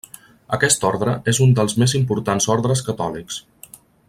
Aquest ordre és un dels més importants ordres catòlics.